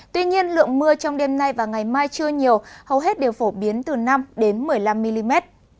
tuy nhiên lượng mưa trong đêm nay và ngày mai chưa nhiều hầu hết đều phổ biến từ năm một mươi năm mm